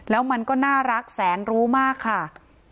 แล้วมันก็น่ารักแสนรู้มากค่ะ